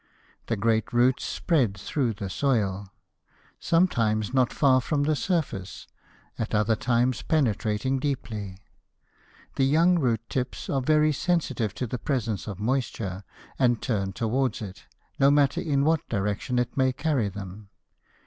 The great roots spread through the soil, sometimes not far from the surface, at other times penetrating deeply. The young root tips are very sensitive to the presence of moisture, and turn towards it, no matter in what direction it may carry them.